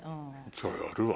じゃあやるわ。